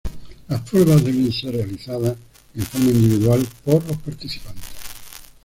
Las pruebas deben ser realizadas en forma individual por los participantes.